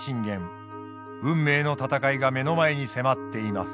運命の戦いが目の前に迫っています。